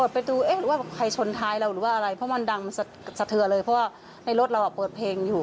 เพราะว่ามันดังมันสะเทื่อเลยเพราะว่าในรถเราเปิดเพลงอยู่